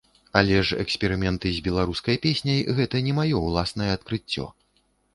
Але ж эксперыменты з беларускай песняй гэта не маё ўласнае адкрыццё.